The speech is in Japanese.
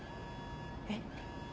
えっ？